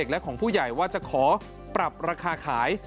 และของผู้ใหญ่ว่าจะขอปรับราคาขาย